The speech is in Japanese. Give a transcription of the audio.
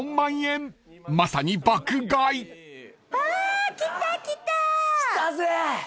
［まさに爆買い］来たぜ！